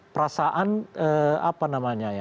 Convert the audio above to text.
perasaan apa namanya ya